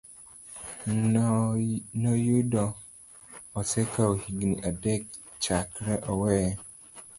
noyudo osekawo higini adek chakre oweye.